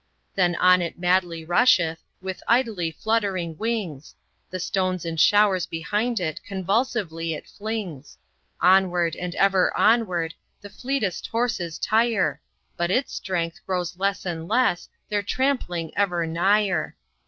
Then on it madly rusheth, with idly fluttering wings; The stones in showers behind it convulsively it flings; Onward, and ever onward, the fleetest horses tire, But its strength grows less and less, their tramping ever nigher.